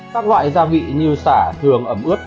các loại gia vị như sả thường ẩm ướt